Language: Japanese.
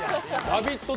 「ラヴィット！」